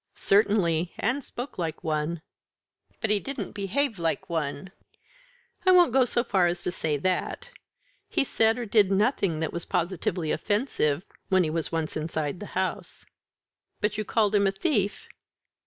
"Certainly, and spoke like one." "But he didn't behave like one?" "I won't go so far as to say that. He said or did nothing that was positively offensive when he was once inside the house." "But you called him a thief?"